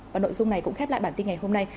và nội dung này cũng khép lại bản tin ngày hôm nay